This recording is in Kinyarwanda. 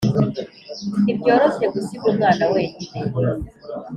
ntibyoroshye gusiga umwana wenyine